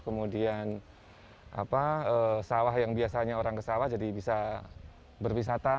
kemudian sawah yang biasanya orang kesawah jadi bisa berwisata